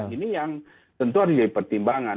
ini yang tentu ada pertimbangan